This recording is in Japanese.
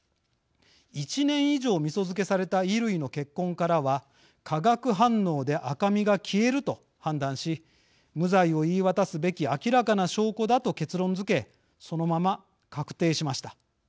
１年以上みそ漬けされた衣類の血痕からは化学反応で赤みが消えると判断し無罪を言い渡すべき明らかな証拠だと結論づけそのまま確定しました。